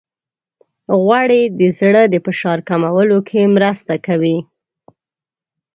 غوړې د زړه د فشار کمولو کې مرسته کوي.